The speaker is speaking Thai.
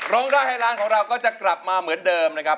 โรงร้ายไฮลานด์ของเราก็จะกลับมาเหมือนเดิมนะครับ